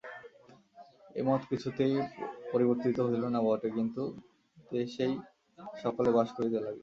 এ মত কিছুতেই পরিবর্তিত হইল না বটে, কিন্তু দেশেই সকলে বাস করিতে লাগিল।